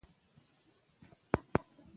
ښه مور سالم نسل روزي.